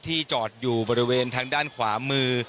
จอดอยู่บริเวณทางด้านขวามือ